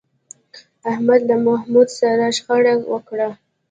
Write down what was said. احمد له محمود سره شخړه وکړه